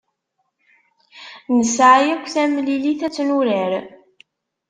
Nesɛa yakk tamlilt ad tt-nurar.